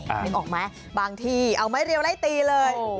นึกออกไหมบางที่เอาไม้เรียวไล่ตีเลย